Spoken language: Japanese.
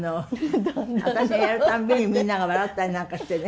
私がやるたんびにみんなが笑ったりなんかしてね。